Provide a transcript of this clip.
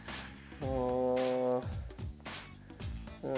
ああ。